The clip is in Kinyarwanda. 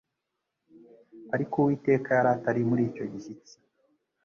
ariko Uwiteka yari atari muri icyo gishyitsi.